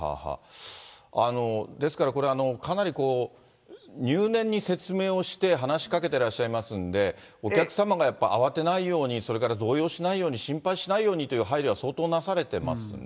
ですからこれ、かなり入念に説明をして話しかけてらっしゃいますので、お客様がやっぱり慌てないように、それから動揺しないように、心配しないようにという配慮は相当なされてますね。